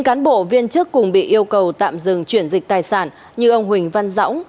bốn cán bộ viên chức cùng bị yêu cầu tạm dừng chuyển dịch tài sản như ông huỳnh văn dõng